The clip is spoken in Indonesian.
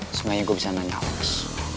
sebenernya gue bisa nanya alex